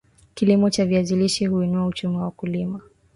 Kilimo cha viazi lishe huinua uchumi wa mkulima